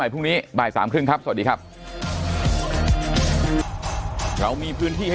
พรุ่งนี้บ่ายสามครึ่งครับสวัสดีครับคือเรามีพื้นที่ให้